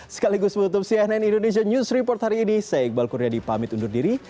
sekaligus menutup cnn indonesia news report hari ini saya iqbal kurnia dipamit undur diri